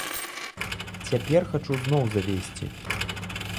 Цяпер хачу зноў завесці.